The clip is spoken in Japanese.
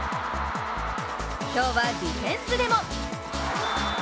今日はディフェンスでも！